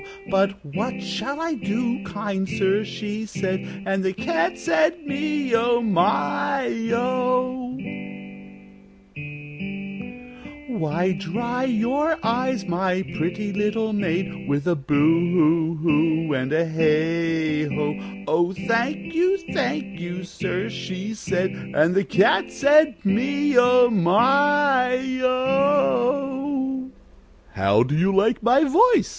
'But what shall I do, kind sir?' she said, And the Cat said, 'Me oh! my oh!' 'Why, dry your eyes, my pretty little maid, With a Boo hoo hoo and a Heigho.' 'Oh, thank you, thank you, sir,' she said, And the Cat said, 'Me oh! my oh!'" "How do you like my voice?"